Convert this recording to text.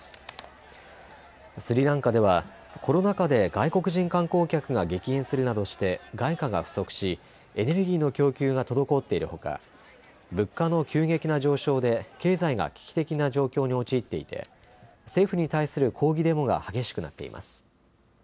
スリランカではコロナ禍で外国人観光客が激減するなどして外貨が不足し、エネルギーの供給が滞っているほか、物価の急激な上昇で経済が危機的な状況に陥っていて政府に対する抗議デモが激しくなっています。